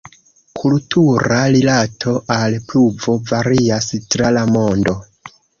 Kultura rilato al pluvo varias tra la mondo.